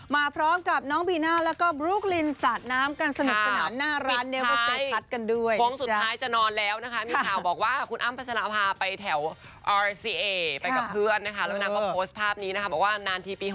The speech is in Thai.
มาพร้อมกับน้องบีน่าท์และบรูกลินก์สถาน้ำกันสนุกขนาดหน้าร้าน